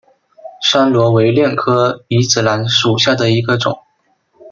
山椤为楝科米仔兰属下的一个种。